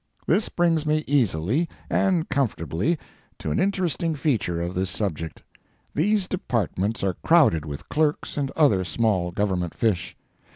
This brings me easily and comfortably to an interesting feature of this subject. These Departments are crowded with clerks and other small Government fish.